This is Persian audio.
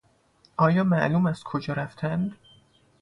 آیا معلوم است کجا رفتند؟